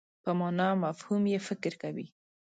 په مانا او مفهوم یې فکر کوي.